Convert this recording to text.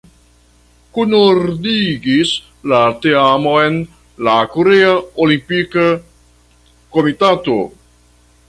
Kunordigis la teamon la Korea Olimpika Komitato.